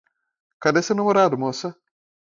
Cadê seu namorado, moça?